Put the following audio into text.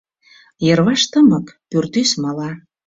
Йырваш тымык: пӱртӱс мала.